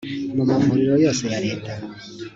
mu mavuriro yose ya leta